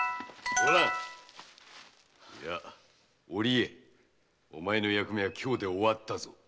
おらんいや織江お前の役目は今日で終わったぞ。